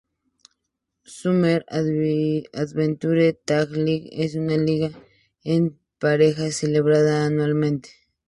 Summer Adventure Tag League es una liga en parejas celebrada anualmente.